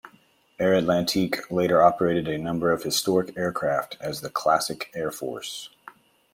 Air Atlantique later operated a number of historic aircraft as the Classic Air Force.